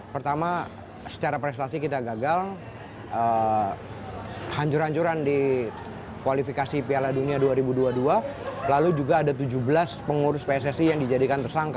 pertama secara prestasi kita gagal hancur hancuran di kualifikasi piala dunia dua ribu dua puluh dua lalu juga ada tujuh belas pengurus pssi yang dijadikan tersangka